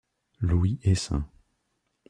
Louis et St.